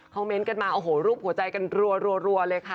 เมนต์กันมาโอ้โหรูปหัวใจกันรัวเลยค่ะ